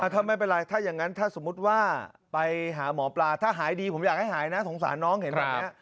ถ้าไม่เป็นไรถ้าอย่างนั้นถ้าสมมุติว่าไปหาหมอปลาถ้าหายดีผมอยากให้หายนะสงสารน้องเห็นแบบนี้